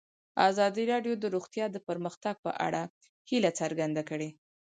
ازادي راډیو د روغتیا د پرمختګ په اړه هیله څرګنده کړې.